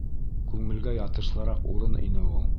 Күңелгә ятышлыраҡ урын ине ул.